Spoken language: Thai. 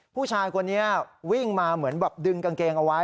ผู้ชายคนนี้วิ่งมาเหมือนแบบดึงกางเกงเอาไว้